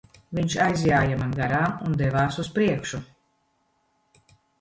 Viņš aizjāja man garām un devās uz priekšu.